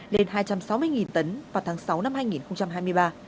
lên hai trăm sáu mươi tấn vào tháng sáu năm hai nghìn hai mươi ba